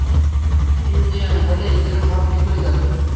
Union হলেই যেন সব ঠিক হয়ে যাবে।